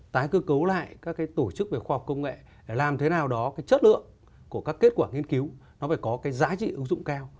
tái cơ cấu lại các cái tổ chức về khoa học công nghệ để làm thế nào đó cái chất lượng của các kết quả nghiên cứu nó phải có cái giá trị ứng dụng cao